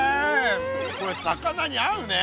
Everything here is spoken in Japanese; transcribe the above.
これ魚に合うね。